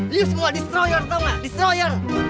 you semua destroyer tau gak destroyer